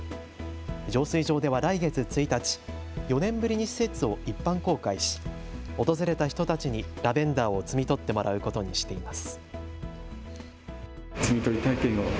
浄水場では来月１日、４年ぶりに施設を一般公開し訪れた人たちにラベンダーを摘み取ってもらうことにしています。